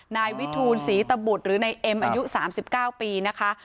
นายวิธูนศรีตบุตรหรือในเอ็มอายุสามสิบเก้าปีนะคะ